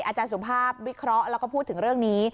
อาจารย์สุภาพวิเคราะห์แล้วก็พูดถึงเรื่องนี้